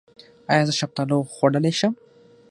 ایا زه شفتالو خوړلی شم؟